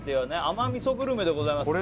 甘味噌グルメでございます